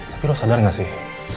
tapi lo sadar gak sih